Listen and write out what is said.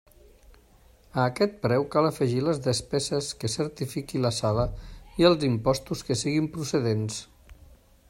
A aquest preu cal afegir les despeses que certifiqui la sala i els impostos que siguin procedents.